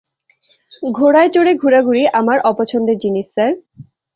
ঘোড়ায় চড়ে ঘুরাঘুরি আমার অপছন্দের জিনিস, স্যার।